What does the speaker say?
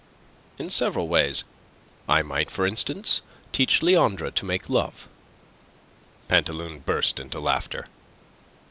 "In several ways. I might, for instance, teach Leandre to make love." Pantaloon burst into laughter.